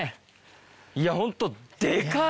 いやホントデカい！